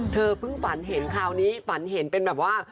เพิ่งฝันเห็นคราวนี้ฝันเห็นเป็นแบบว่า